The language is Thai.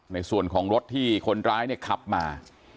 ในส่วนของรถที่คนร้ายเนี่ยขับมา